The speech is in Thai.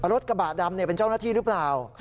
รถกระบะดำเป็นเจ้าหน้าที่หรือเปล่า